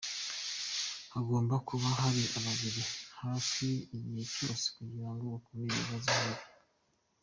Hagomba kuba hari ababari hafi igihe cyose kugira ngo bakumire ibibazo nk’ibi.